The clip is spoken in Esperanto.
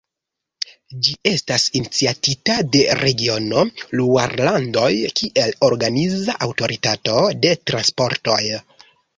Ĝi estas iniciatita de regiono Luarlandoj kiel organiza aŭtoritato de transportoj.